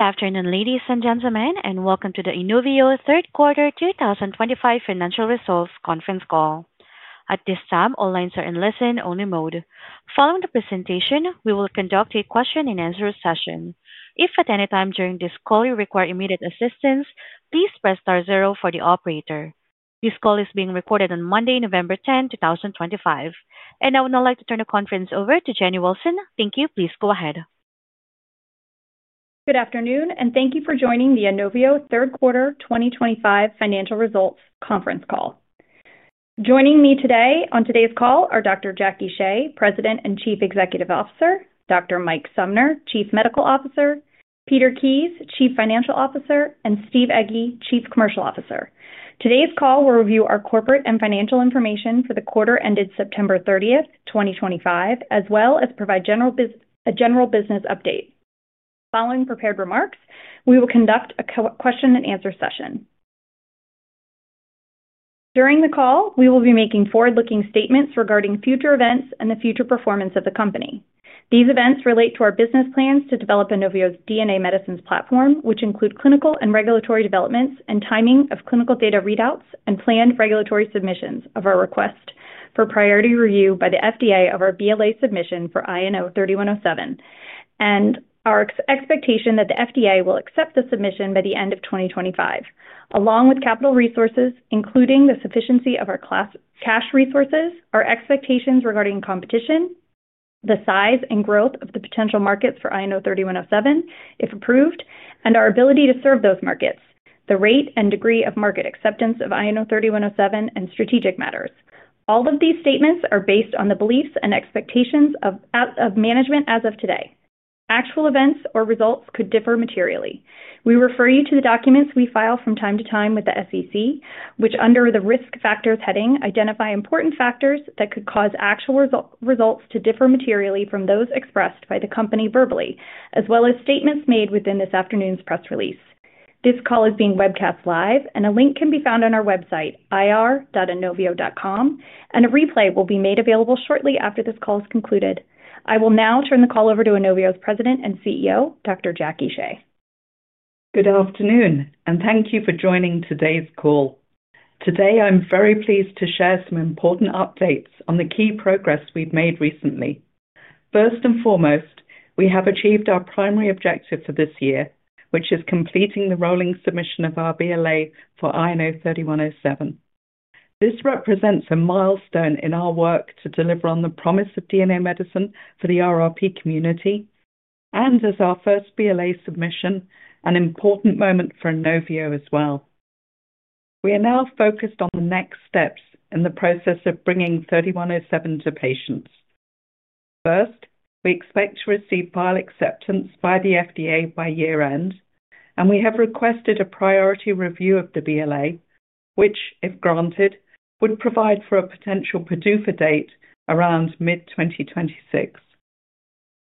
Good afternoon, ladies and gentlemen, and welcome to the Inovio Third Quarter 2025 Financial Results Conference Call. At this time, all lines are in listen-only mode. Following the presentation, we will conduct a question-and-answer session. If at any time during this call you require immediate assistance, please press star zero for the operator. This call is being recorded on Monday, November 10, 2025. I would now like to turn the conference over to Jenny Wilson. Thank you. Please go ahead. Good afternoon, and thank you for joining the Inovio Q3 2025 Financial Results Conference Call. Joining me today on today's call are Dr. Jackie Shea, President and Chief Executive Officer, Dr. Mike Sumner, Chief Medical Officer, Peter Kies, Chief Financial Officer, and Steve Egge, Chief Commercial Officer. Today's call will review our corporate and financial information for the quarter ended September 30, 2025, as well as provide a general business update. Following prepared remarks, we will conduct a question-and-answer session. During the call, we will be making forward-looking statements regarding future events and the future performance of the company. These events relate to our business plans to develop Inovio's DNA medicines platform, which include clinical and regulatory developments and timing of clinical data readouts and planned regulatory submissions of our request for priority review by the FDA of our BLA submission for INO-3107, and our expectation that the FDA will accept the submission by the end of 2025. Along with capital resources, including the sufficiency of our cash resources, our expectations regarding competition, the size and growth of the potential markets for INO-3107 if approved, and our ability to serve those markets, the rate and degree of market acceptance of INO-3107, and strategic matters. All of these statements are based on the beliefs and expectations of management as of today. Actual events or results could differ materially. We refer you to the documents we file from time to time with the SEC, which under the risk factors heading identify important factors that could cause actual results to differ materially from those expressed by the company verbally, as well as statements made within this afternoon's press release. This call is being webcast live, and a link can be found on our website, ir.inovio.com, and a replay will be made available shortly after this call is concluded. I will now turn the call over to Inovio's President and CEO, Dr. Jackie Shea. Good afternoon, and thank you for joining today's call. Today, I'm very pleased to share some important updates on the key progress we've made recently. First and foremost, we have achieved our primary objective for this year, which is completing the rolling submission of our BLA for INO-3107. This represents a milestone in our work to deliver on the promise of DNA medicine for the RRP community, and is our first BLA submission, an important moment for Inovio as well. We are now focused on the next steps in the process of bringing 3107 to patients. First, we expect to receive final acceptance by the FDA by year-end, and we have requested a priority review of the BLA, which, if granted, would provide for a potential PDUFA date around mid-2026.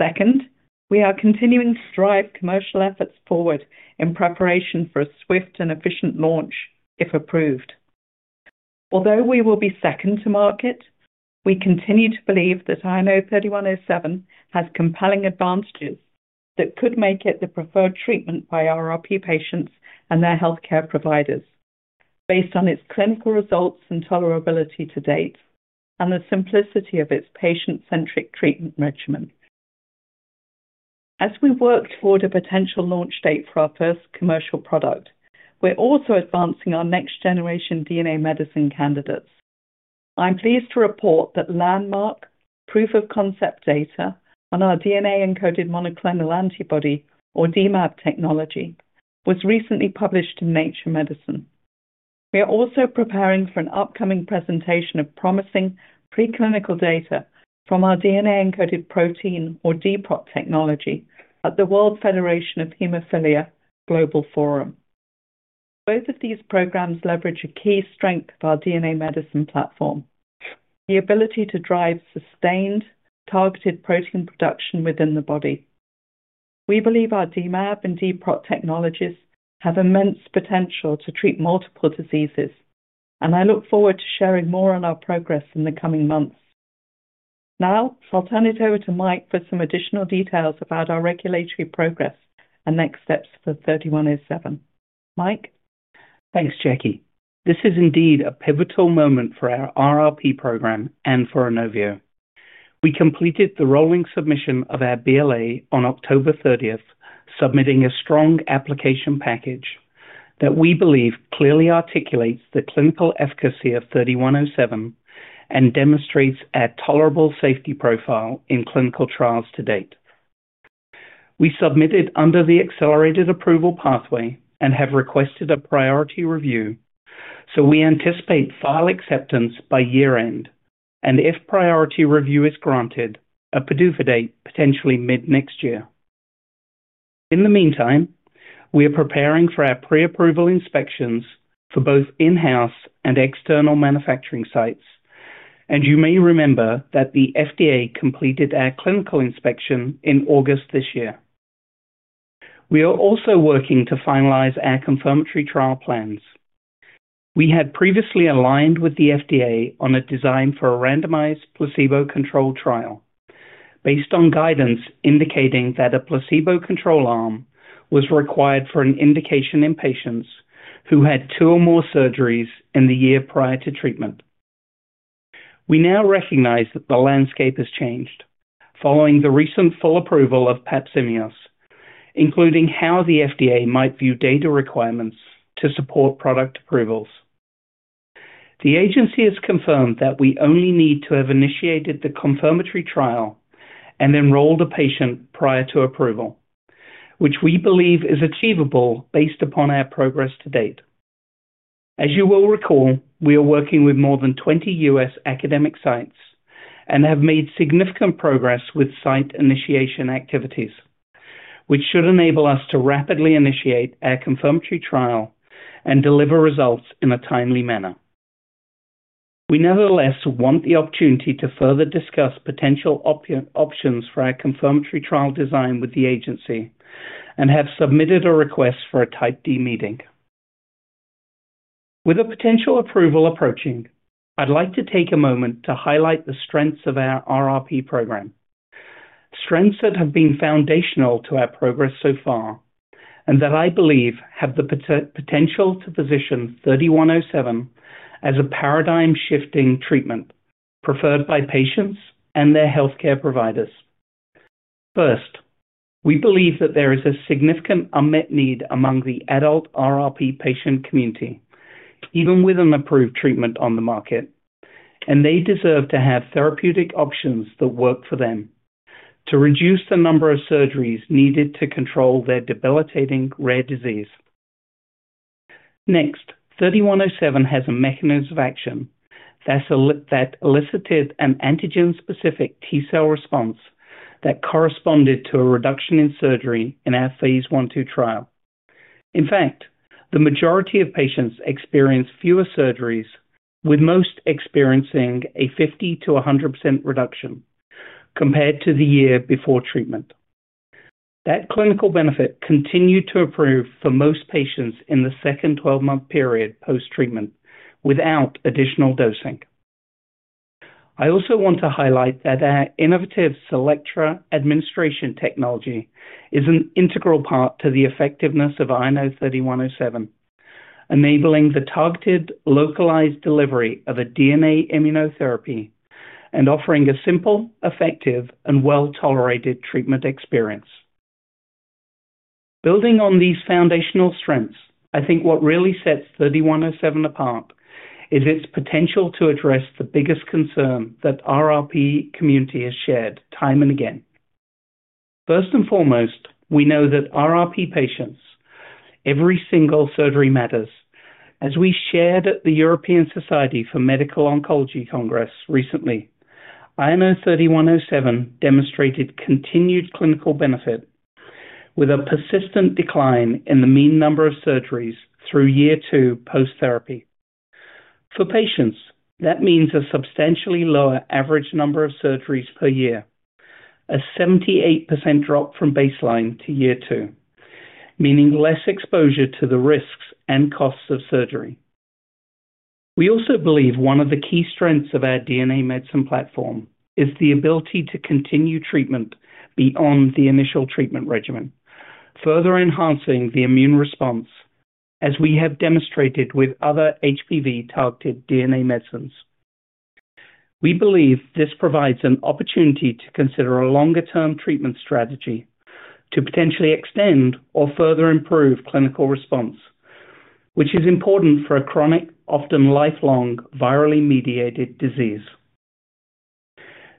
Second, we are continuing to drive commercial efforts forward in preparation for a swift and efficient launch if approved. Although we will be second to market, we continue to believe that INO-3107 has compelling advantages that could make it the preferred treatment by RRP patients and their healthcare providers, based on its clinical results and tolerability to date, and the simplicity of its patient-centric treatment regimen. As we work toward a potential launch date for our first commercial product, we're also advancing our next-generation DNA medicine candidates. I'm pleased to report that landmark proof-of-concept data on our DNA-encoded monoclonal antibody, or DMAP technology, was recently published in Nature Medicine. We are also preparing for an upcoming presentation of promising preclinical data from our DNA-encoded protein, or DPROT, technology at the World Federation of Haemophilia Global Forum. Both of these programs leverage a key strength of our DNA medicine platform: the ability to drive sustained, targeted protein production within the body. We believe our DMAP and DPROT technologies have immense potential to treat multiple diseases, and I look forward to sharing more on our progress in the coming months. Now, I'll turn it over to Mike for some additional details about our regulatory progress and next steps for 3107. Mike. Thanks, Jackie. This is indeed a pivotal moment for our RRP program and for Inovio. We completed the rolling submission of our BLA on October 30, submitting a strong application package that we believe clearly articulates the clinical efficacy of 3107 and demonstrates our tolerable safety profile in clinical trials to date. We submitted under the accelerated approval pathway and have requested a priority review, so we anticipate final acceptance by year-end, and if priority review is granted, a PDUFA date potentially mid-next year. In the meantime, we are preparing for our pre-approval inspections for both in-house and external manufacturing sites, and you may remember that the FDA completed our clinical inspection in August this year. We are also working to finalize our confirmatory trial plans. We had previously aligned with the FDA on a design for a randomized placebo-controlled trial, based on guidance indicating that a placebo-controlled arm was required for an indication in patients who had two or more surgeries in the year prior to treatment. We now recognize that the landscape has changed following the recent full approval of Papzimeos, including how the FDA might view data requirements to support product approvals. The agency has confirmed that we only need to have initiated the confirmatory trial and enrolled a patient prior to approval, which we believe is achievable based upon our progress to date. As you will recall, we are working with more than 20 U.S. academic sites and have made significant progress with site initiation activities, which should enable us to rapidly initiate our confirmatory trial and deliver results in a timely manner. We nevertheless want the opportunity to further discuss potential options for our confirmatory trial design with the agency and have submitted a request for a Type D meeting. With a potential approval approaching, I'd like to take a moment to highlight the strengths of our RRP program, strengths that have been foundational to our progress so far, and that I believe have the potential to position 3107 as a paradigm-shifting treatment preferred by patients and their healthcare providers. First, we believe that there is a significant unmet need among the adult RRP patient community, even with an approved treatment on the market, and they deserve to have therapeutic options that work for them to reduce the number of surgeries needed to control their debilitating rare disease. Next, 3107 has a mechanism of action that elicited an antigen-specific T-cell response that corresponded to a reduction in surgery in our phase I-II trial. In fact, the majority of patients experienced fewer surgeries, with most experiencing a 50%-100% reduction compared to the year before treatment. That clinical benefit continued to improve for most patients in the second 12-month period post-treatment without additional dosing. I also want to highlight that our innovative CELLECTRA administration technology is an integral part of the effectiveness of INO-3107, enabling the targeted localized delivery of a DNA immunotherapy and offering a simple, effective, and well-tolerated treatment experience. Building on these foundational strengths, I think what really sets 3107 apart is its potential to address the biggest concern that the RRP community has shared time and again. First and foremost, we know that RRP patients, every single surgery matters. As we shared at the European Society for Medical Oncology Congress recently, INO-3107 demonstrated continued clinical benefit with a persistent decline in the mean number of surgeries through year two post-therapy. For patients, that means a substantially lower average number of surgeries per year, a 78% drop from baseline to year two, meaning less exposure to the risks and costs of surgery. We also believe one of the key strengths of our DNA medicine platform is the ability to continue treatment beyond the initial treatment regimen, further enhancing the immune response, as we have demonstrated with other HPV-targeted DNA medicines. We believe this provides an opportunity to consider a longer-term treatment strategy to potentially extend or further improve clinical response, which is important for a chronic, often lifelong, virally mediated disease.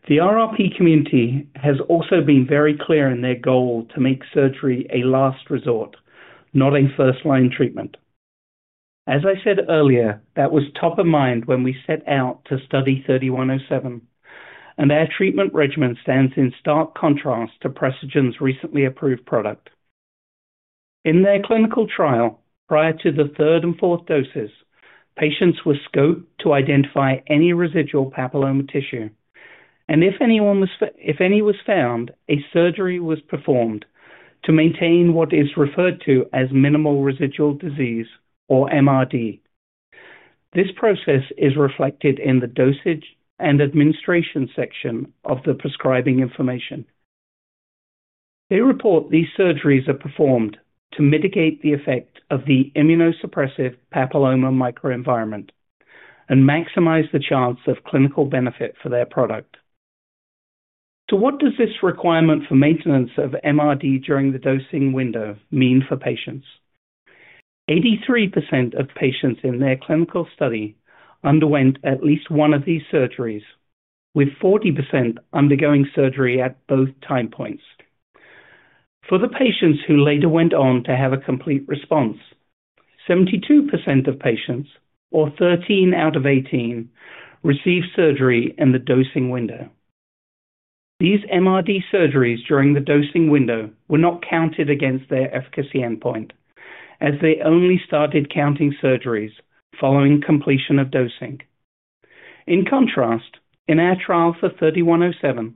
The RRP community has also been very clear in their goal to make surgery a last resort, not a first-line treatment. As I said earlier, that was top of mind when we set out to study 3107, and our treatment regimen stands in stark contrast to Precigen's recently approved product. In their clinical trial, prior to the third and fourth doses, patients were scoped to identify any residual papilloma tissue, and if any was found, a surgery was performed to maintain what is referred to as minimal residual disease, or MRD. This process is reflected in the dosage and administration section of the prescribing information. They report these surgeries are performed to mitigate the effect of the immunosuppressive papilloma microenvironment and maximize the chance of clinical benefit for their product. What does this requirement for maintenance of MRD during the dosing window mean for patients? 83% of patients in their clinical study underwent at least one of these surgeries, with 40% undergoing surgery at both time points. For the patients who later went on to have a complete response, 72% of patients, or 13 out of 18, received surgery in the dosing window. These MRD surgeries during the dosing window were not counted against their efficacy endpoint, as they only started counting surgeries following completion of dosing. In contrast, in our trial for 3107,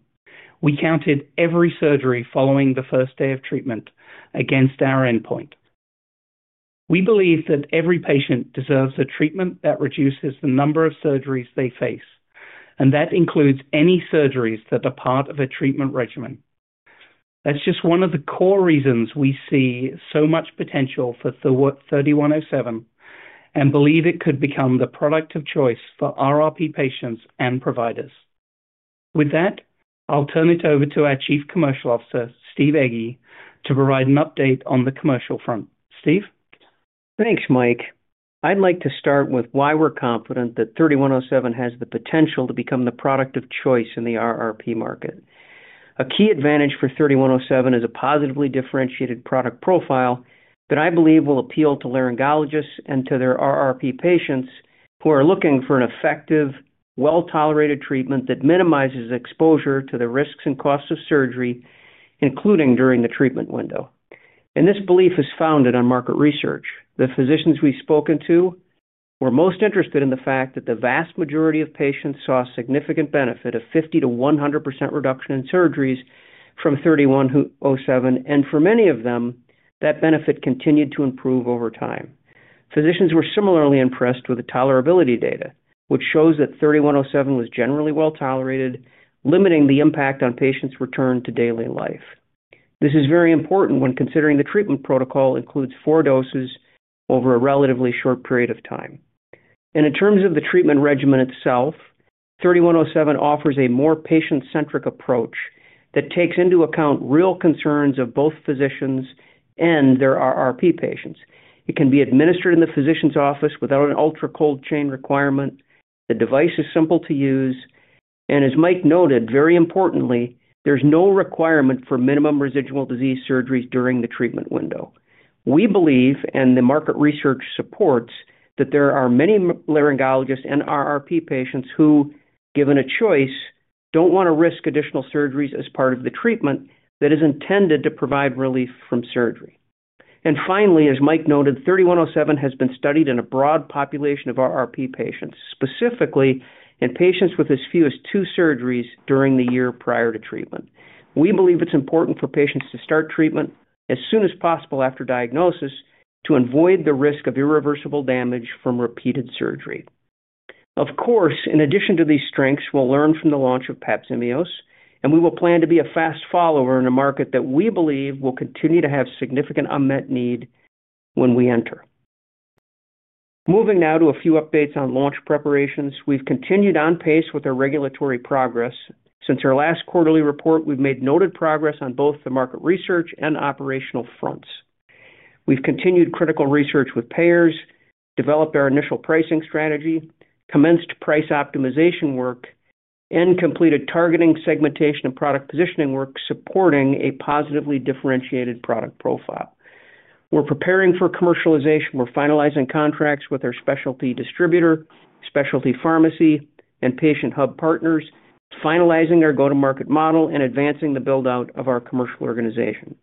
we counted every surgery following the first day of treatment against our endpoint. We believe that every patient deserves a treatment that reduces the number of surgeries they face, and that includes any surgeries that are part of a treatment regimen. That's just one of the core reasons we see so much potential for 3107 and believe it could become the product of choice for RRP patients and providers. With that, I'll turn it over to our Chief Commercial Officer, Steve Egge, to provide an update on the commercial front. Steve? Thanks, Mike. I'd like to start with why we're confident that 3107 has the potential to become the product of choice in the RRP market. A key advantage for 3107 is a positively differentiated product profile that I believe will appeal to laryngologists and to their RRP patients who are looking for an effective, well-tolerated treatment that minimizes exposure to the risks and costs of surgery, including during the treatment window. This belief is founded on market research. The physicians we've spoken to were most interested in the fact that the vast majority of patients saw a significant benefit of 50%-100% reduction in surgeries from 3107, and for many of them, that benefit continued to improve over time. Physicians were similarly impressed with the tolerability data, which shows that 3107 was generally well-tolerated, limiting the impact on patients' return to daily life. This is very important when considering the treatment protocol includes four doses over a relatively short period of time. In terms of the treatment regimen itself, 3107 offers a more patient-centric approach that takes into account real concerns of both physicians and their RRP patients. It can be administered in the physician's office without an ultra-cold chain requirement. The device is simple to use. As Mike noted, very importantly, there's no requirement for minimal residual disease surgeries during the treatment window. We believe, and the market research supports, that there are many laryngologists and RRP patients who, given a choice, don't want to risk additional surgeries as part of the treatment that is intended to provide relief from surgery. Finally, as Mike noted, 3107 has been studied in a broad population of RRP patients, specifically in patients with as few as two surgeries during the year prior to treatment. We believe it's important for patients to start treatment as soon as possible after diagnosis to avoid the risk of irreversible damage from repeated surgery. Of course, in addition to these strengths, we'll learn from the launch of Papzimeos, and we will plan to be a fast follower in a market that we believe will continue to have significant unmet need when we enter. Moving now to a few updates on launch preparations. We've continued on pace with our regulatory progress. Since our last quarterly report, we've made noted progress on both the market research and operational fronts. We've continued critical research with payers, developed our initial pricing strategy, commenced price optimization work, and completed targeting, segmentation, and product positioning work supporting a positively differentiated product profile. We're preparing for commercialization. We're finalizing contracts with our specialty distributor, specialty pharmacy, and patient hub partners, finalizing our go-to-market model and advancing the build-out of our commercial organization.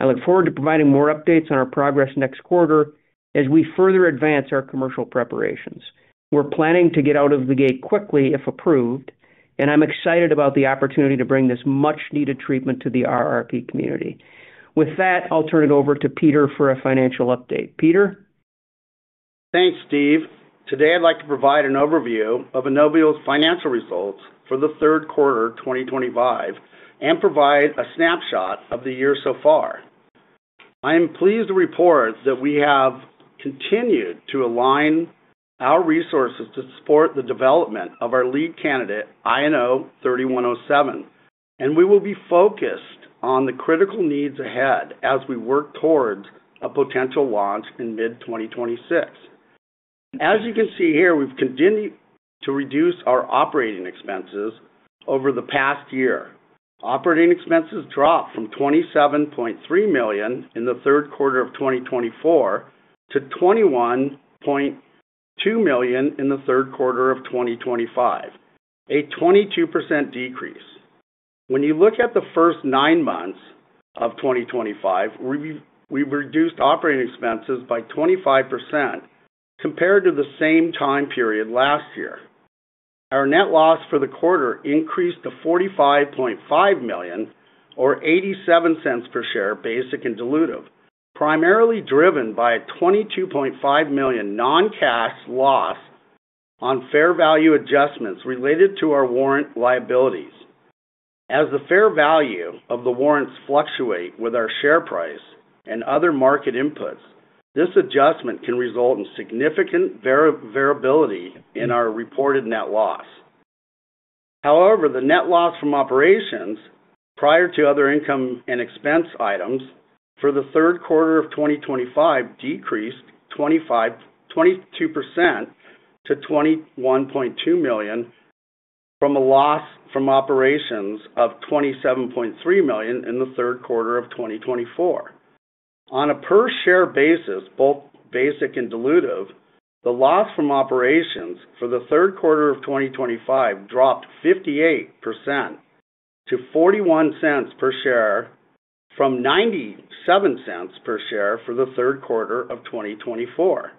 I look forward to providing more updates on our progress next quarter as we further advance our commercial preparations. We're planning to get out of the gate quickly if approved, and I'm excited about the opportunity to bring this much-needed treatment to the RRP community. With that, I'll turn it over to Peter for a financial update. Peter? Thanks, Steve. Today, I'd like to provide an overview of Inovio's financial results for the third quarter of 2025 and provide a snapshot of the year so far. I am pleased to report that we have continued to align our resources to support the development of our lead candidate, INO-3107, and we will be focused on the critical needs ahead as we work towards a potential launch in mid-2026. As you can see here, we've continued to reduce our operating expenses over the past year. Operating expenses dropped from $27.3 million in the third quarter of 2024 to $21.2 million in the third quarter of 2025, a 22% decrease. When you look at the first nine months of 2025, we've reduced operating expenses by 25% compared to the same time period last year. Our net loss for the quarter increased to $45.5 million, or $0.87 per share, basic and dilutive, primarily driven by a $22.5 million non-cash loss on fair value adjustments related to our warrant liabilities. As the fair value of the warrants fluctuates with our share price and other market inputs, this adjustment can result in significant variability in our reported net loss. However, the net loss from operations, prior to other income and expense items, for the third quarter of 2025 decreased 22% to $21.2 million from a loss from operations of $27.3 million in the third quarter of 2024. On a per-share basis, both basic and dilutive, the loss from operations for the third quarter of 2025 dropped 58% to $0.41 per share from $0.97 per share for the third quarter of 2024.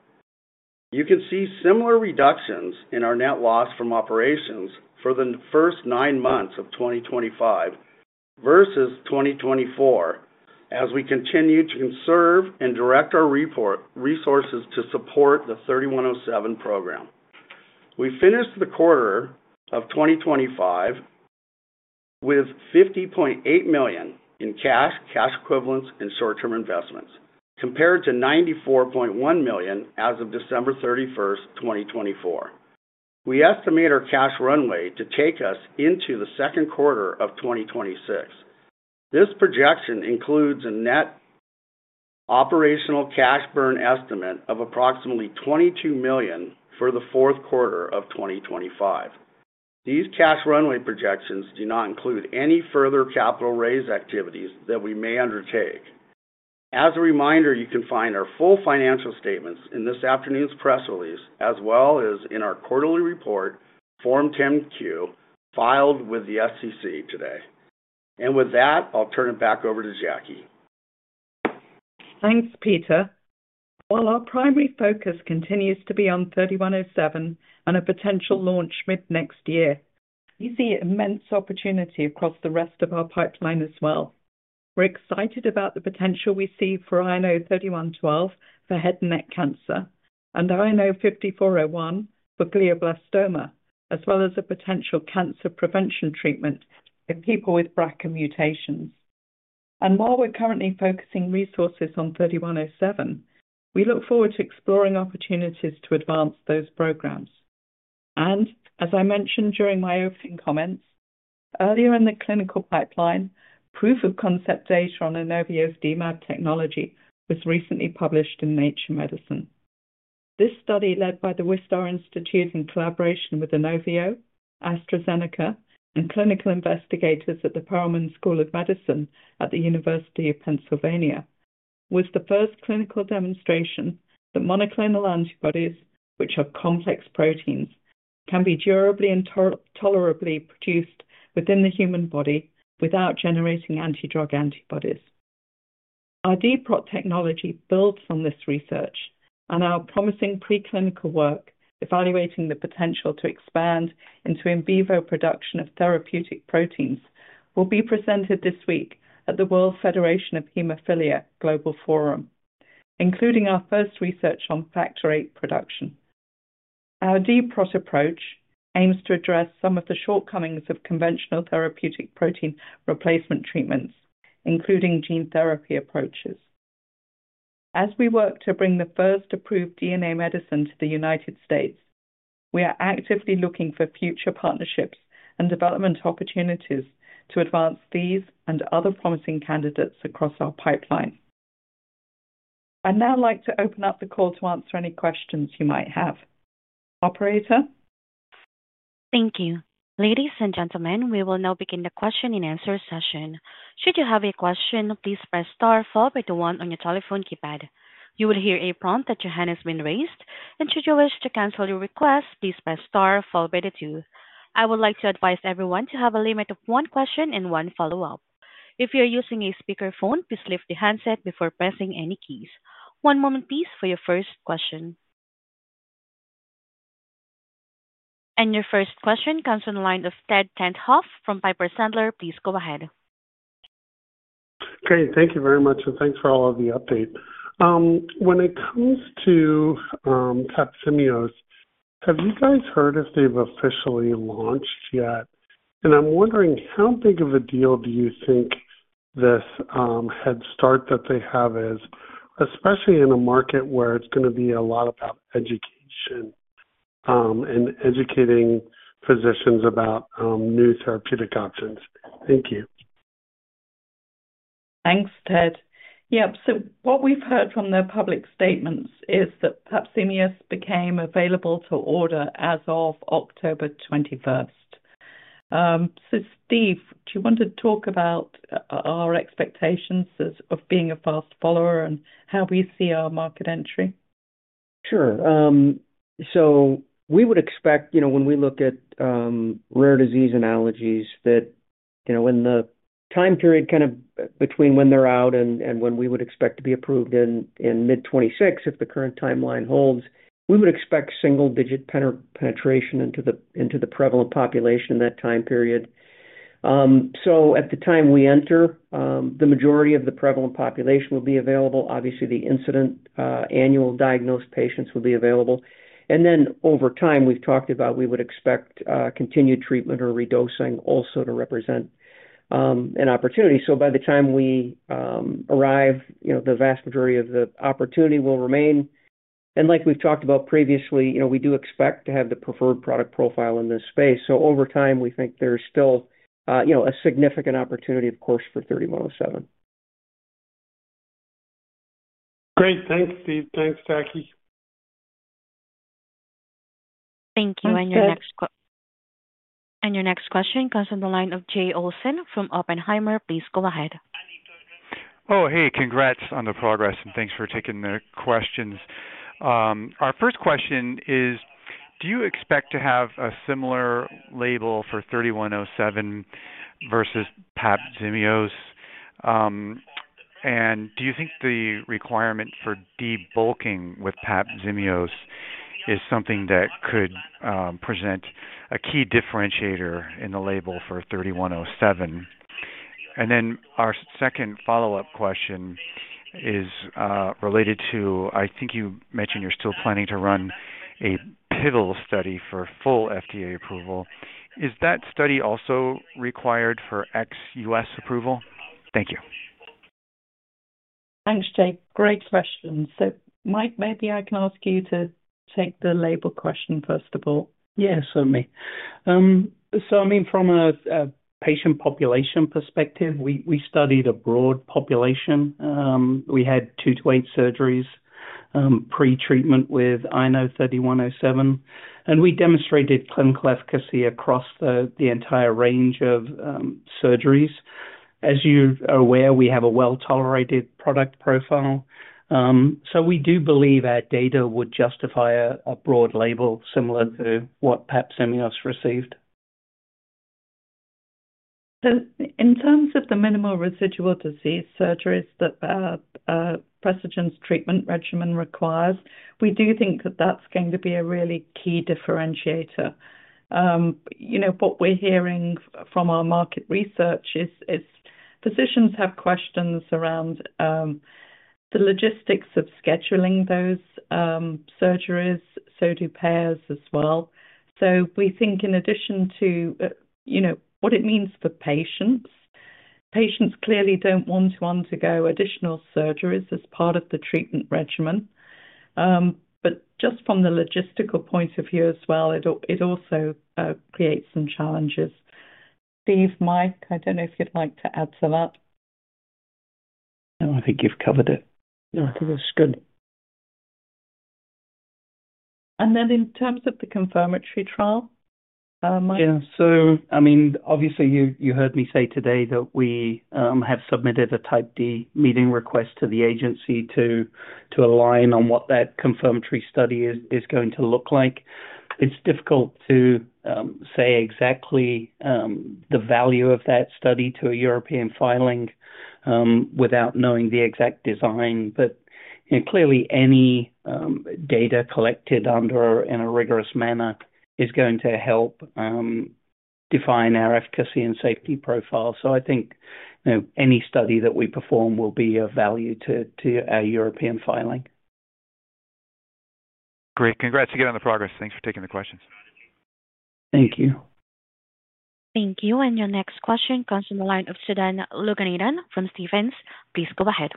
You can see similar reductions in our net loss from operations for the first nine months of 2025 versus 2024 as we continue to conserve and direct our resources to support the 3107 program. We finished the quarter of 2025 with $50.8 million in cash, cash equivalents, and short-term investments, compared to $94.1 million as of December 31, 2024. We estimate our cash runway to take us into the second quarter of 2026. This projection includes a net operational cash burn estimate of approximately $22 million for the fourth quarter of 2025. These cash runway projections do not include any further capital raise activities that we may undertake. As a reminder, you can find our full financial statements in this afternoon's press release, as well as in our quarterly report, Form 10-Q, filed with the SEC today. I'll turn it back over to Jackie. Thanks, Peter. While our primary focus continues to be on 3107 and a potential launch mid-next year, we see immense opportunity across the rest of our pipeline as well. We're excited about the potential we see for INO-3112 for head and neck cancer and INO 5401 for glioblastoma, as well as a potential cancer prevention treatment in people with BRCA mutations. While we're currently focusing resources on 3107, we look forward to exploring opportunities to advance those programs. As I mentioned during my opening comments, earlier in the clinical pipeline, proof of concept data on Inovio's DMAP technology was recently published in Nature Medicine. This study, led by the Wistar Institute in collaboration with Inovio, AstraZeneca, and clinical investigators at the Perelman School of Medicine at the University of Pennsylvania, was the first clinical demonstration that monoclonal antibodies, which are complex proteins, can be durably and tolerably produced within the human body without generating antidrug antibodies. Our dProt technology builds on this research, and our promising preclinical work evaluating the potential to expand into in vivo production of therapeutic proteins will be presented this week at the World Federation of Haemophilia Global Forum, including our first research on factor VIII production. Our DPROT approach aims to address some of the shortcomings of conventional therapeutic protein replacement treatments, including gene therapy approaches. As we work to bring the first approved DNA medicine to the United States, we are actively looking for future partnerships and development opportunities to advance these and other promising candidates across our pipeline. I'd now like to open up the call to answer any questions you might have. Operator? Thank you. Ladies and gentlemen, we will now begin the question and answer session. Should you have a question, please press star followed by the one on your telephone keypad. You will hear a prompt that your hand has been raised, and should you wish to cancel your request, please press star followed by the two. I would like to advise everyone to have a limit of one question and one follow-up. If you're using a speakerphone, please lift the handset before pressing any keys. One moment, please, for your first question. Your first question comes from the line of Ted Tenthoff from Piper Sandler. Please go ahead. Great. Thank you very much, and thanks for all of the update. When it comes to Papzimeos, have you guys heard if they've officially launched yet? I am wondering how big of a deal do you think this head start that they have is, especially in a market where it's going to be a lot about education and educating physicians about new therapeutic options? Thank you. Thanks, Ted. Yep. What we've heard from the public statements is that Papzimeos became available to order as of October 21. Steve, do you want to talk about our expectations of being a fast follower and how we see our market entry? Sure. We would expect, when we look at rare disease analogies, that in the time period kind of between when they are out and when we would expect to be approved in mid-2026, if the current timeline holds, we would expect single-digit penetration into the prevalent population in that time period. At the time we enter, the majority of the prevalent population will be available. Obviously, the incident annual diagnosed patients will be available. Over time, we have talked about we would expect continued treatment or redosing also to represent an opportunity. By the time we arrive, the vast majority of the opportunity will remain. Like we have talked about previously, we do expect to have the preferred product profile in this space. Over time, we think there is still a significant opportunity, of course, for 3107. Great. Thanks, Steve. Thanks, Jackie. Thank you. Your next question comes from the line of Jay Olson from Oppenheimer. Please go ahead. Oh, hey. Congrats on the progress, and thanks for taking the questions. Our first question is, do you expect to have a similar label for 3107 versus Papzimeos? Do you think the requirement for debulking with Papzimeos is something that could present a key differentiator in the label for 3107? Our second follow-up question is related to, I think you mentioned you're still planning to run a pivotal study for full FDA approval. Is that study also required for ex-U.S. approval? Thank you. Thanks, Jay. Great question. Mike, maybe I can ask you to take the label question first of all. Yes, only. I mean, from a patient population perspective, we studied a broad population. We had two to eight surgeries pre-treatment with INO-3107, and we demonstrated clinical efficacy across the entire range of surgeries. As you're aware, we have a well-tolerated product profile. We do believe our data would justify a broad label similar to what Papzimeos received. In terms of the minimal residual disease surgeries that the Precigen's treatment regimen requires, we do think that that's going to be a really key differentiator. What we're hearing from our market research is physicians have questions around the logistics of scheduling those surgeries, so do payers as well. We think in addition to what it means for patients, patients clearly do not want to undergo additional surgeries as part of the treatment regimen. Just from the logistical point of view as well, it also creates some challenges. Steve, Mike, I do not know if you'd like to add to that. No, I think you've covered it. No, I think that's good. In terms of the confirmatory trial, Mike? Yeah. So I mean, obviously, you heard me say today that we have submitted a type D meeting request to the agency to align on what that confirmatory study is going to look like. It's difficult to say exactly the value of that study to a European filing without knowing the exact design. But clearly, any data collected under in a rigorous manner is going to help define our efficacy and safety profile. So I think any study that we perform will be of value to our European filing. Great. Congrats again on the progress. Thanks for taking the questions. Thank you. Thank you. Your next question comes from the line of Sudan Loganathan from Stephens. Please go ahead.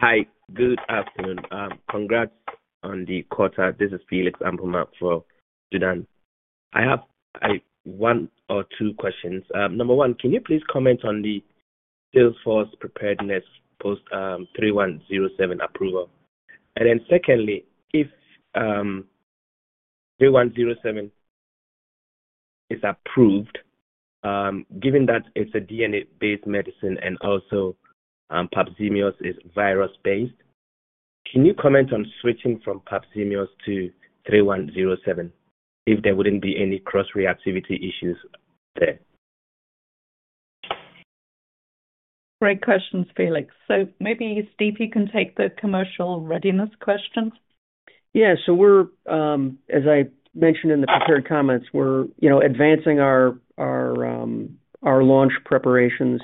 Hi. Good afternoon. Congrats on the quarter. This is Felix Ampomah for Sudan. I have one or two questions. Number one, can you please comment on the Salesforce preparedness post 3107 approval? Secondly, if 3107 is approved, given that it's a DNA-based medicine and also Papzimeos is virus-based, can you comment on switching from Papzimeos to 3107 if there wouldn't be any cross-reactivity issues there? Great questions, Felix. Maybe Steve, you can take the commercial readiness questions. Yeah. As I mentioned in the prepared comments, we're advancing our launch preparations.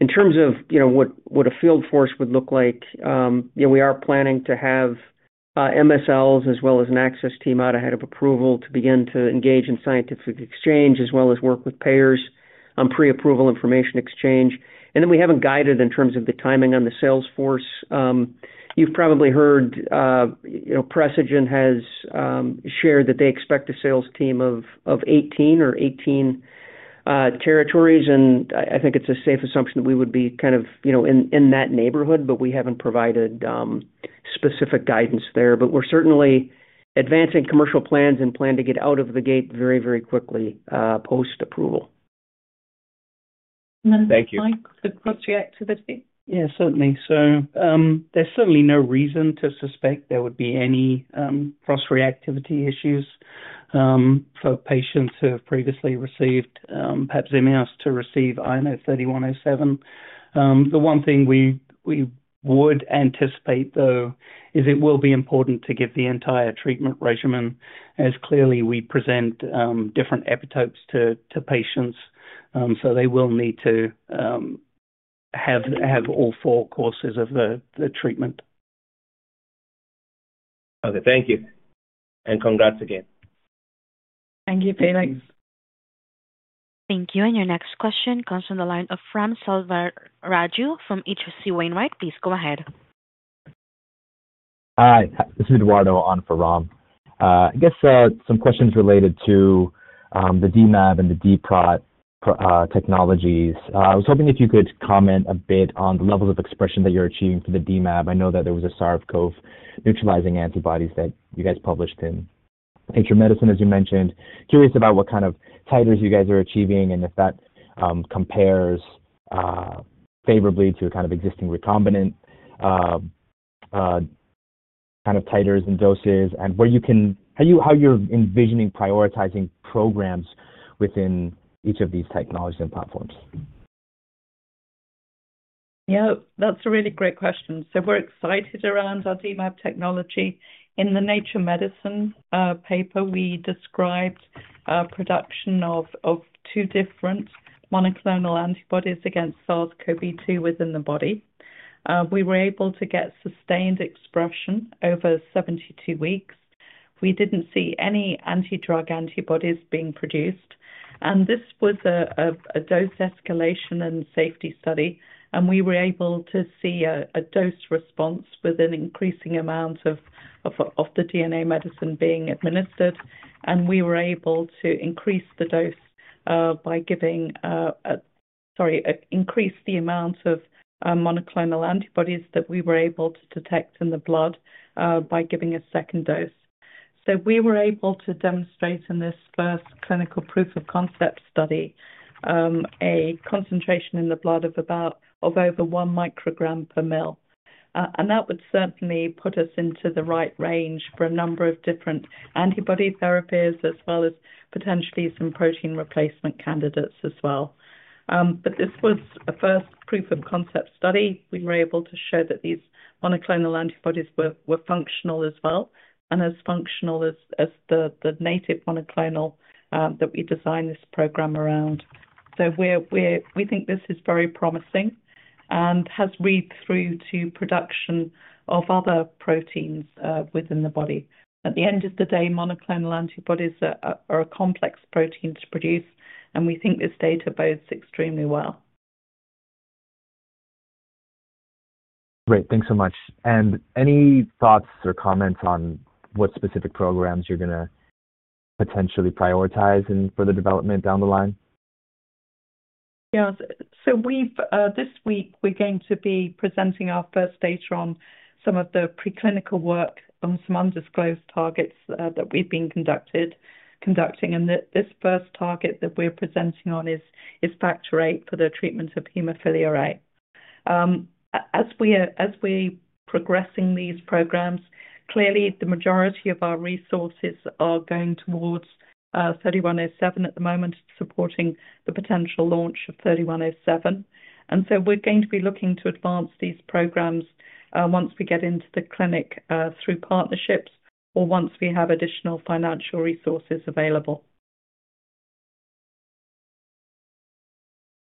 In terms of what a field force would look like, we are planning to have MSLs as well as an access team out ahead of approval to begin to engage in scientific exchange as well as work with payers on pre-approval information exchange. We haven't guided in terms of the timing on the Salesforce. You've probably heard Precigen has shared that they expect a sales team of 18 or 18 territories. I think it's a safe assumption that we would be kind of in that neighborhood, but we haven't provided specific guidance there. We're certainly advancing commercial plans and plan to get out of the gate very, very quickly post-approval. Thank you. Mike, the cross-reactivity? Yeah, certainly. There is certainly no reason to suspect there would be any cross-reactivity issues for patients who have previously received Papzimeos to receive INO-3107. The one thing we would anticipate, though, is it will be important to give the entire treatment regimen as clearly we present different epitopes to patients. They will need to have all four courses of the treatment. Okay. Thank you. Congrats again. Thank you, Felix. Thank you. Your next question comes from the line of Ram Selvaraju from H.C. Wainwright. Please go ahead. Hi. This is Eduardo on for Raju. I guess some questions related to the DMAP and the DPROT technologies. I was hoping if you could comment a bit on the levels of expression that you're achieving for the DMAP. I know that there was a SARS-CoV neutralizing antibodies that you guys published in Nature Medicine, as you mentioned. Curious about what kind of titers you guys are achieving and if that compares favorably to kind of existing recombinant kind of titers and doses and how you're envisioning prioritizing programs within each of these technologies and platforms. Yeah. That's a really great question. We're excited around our DMAP technology. In the Nature Medicine paper, we described production of two different monoclonal antibodies against SARS-CoV-2 within the body. We were able to get sustained expression over 72 weeks. We didn't see any antidrug antibodies being produced. This was a dose escalation and safety study. We were able to see a dose response with an increasing amount of the DNA medicine being administered. We were able to increase the amount of monoclonal antibodies that we were able to detect in the blood by giving a second dose. We were able to demonstrate in this first clinical proof of concept study a concentration in the blood of over 1 microgram per ml. That would certainly put us into the right range for a number of different antibody therapies, as well as potentially some protein replacement candidates as well. This was a first proof of concept study. We were able to show that these monoclonal antibodies were functional as well, and as functional as the native monoclonal that we designed this program around. We think this is very promising and has read through to production of other proteins within the body. At the end of the day, monoclonal antibodies are a complex protein to produce, and we think this data bodes extremely well. Great. Thanks so much. Any thoughts or comments on what specific programs you're going to potentially prioritize for the development down the line? Yeah. This week, we're going to be presenting our first data on some of the preclinical work on some undisclosed targets that we've been conducting. This first target that we're presenting on is factor VIII for the treatment of hemophilia A. As we're progressing these programs, clearly, the majority of our resources are going towards 3107 at the moment supporting the potential launch of 3107. We're going to be looking to advance these programs once we get into the clinic through partnerships or once we have additional financial resources available.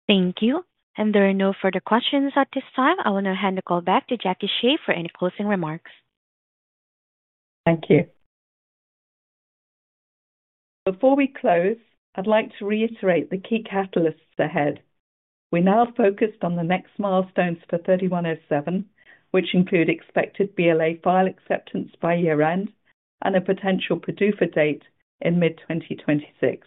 Thank you. There are no further questions at this time. I want to hand the call back to Jackie Shea for any closing remarks. Thank you. Before we close, I'd like to reiterate the key catalysts ahead. We're now focused on the next milestones for 3107, which include expected BLA file acceptance by year-end and a potential PDUFA date in mid-2026. We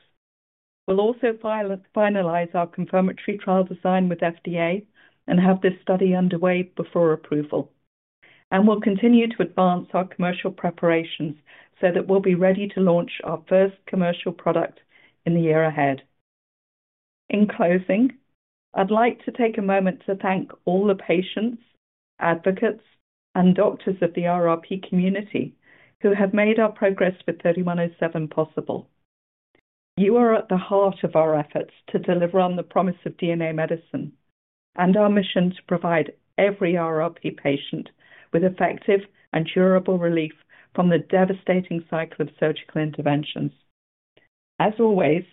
will also finalize our confirmatory trial design with FDA and have this study underway before approval. We will continue to advance our commercial preparations so that we'll be ready to launch our first commercial product in the year ahead. In closing, I'd like to take a moment to thank all the patients, advocates, and doctors of the RRP community who have made our progress for 3107 possible. You are at the heart of our efforts to deliver on the promise of DNA medicine and our mission to provide every RRP patient with effective and durable relief from the devastating cycle of surgical interventions. As always,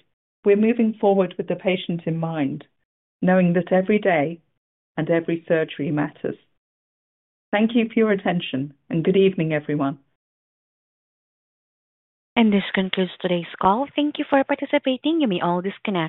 we're moving forward with the patient in mind, knowing that every day and every surgery matters. Thank you for your attention, and good evening, everyone. This concludes today's call. Thank you for participating. You may all disconnect.